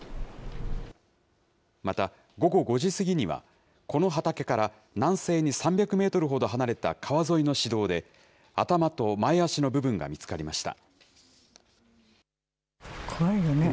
また、午後５時過ぎには、この畑から南西に３００メートルほど離れた川沿いの市道で、頭と前足の部分が見つかりました。